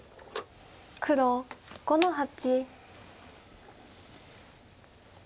黒５の八。